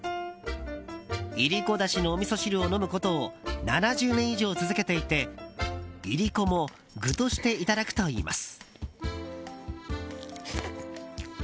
いりこだしのおみそ汁を飲むことを７０年以上続けていていりこも具としていただくといいます。